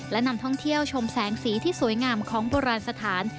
และนำท่องเที่ยวชมแสงสีที่สวยงามของโบราณสถาน